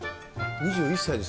２１歳です。